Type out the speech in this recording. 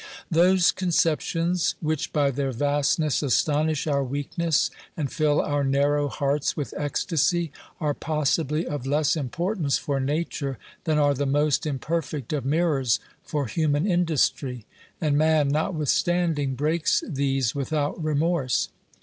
Those conceptions which, by their vastness, astonish our weakness and fill our narrow hearts with ecstasy are possibly of less importance for Nature than are the most imperfect of mirrors for human industry, and man, not withstanding, breaks these without remorse.